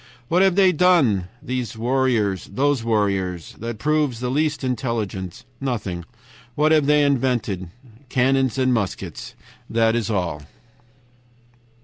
"What have they done, those warriors, that proves the least intelligence? Nothing. What have they invented? Cannons and muskets. That is all.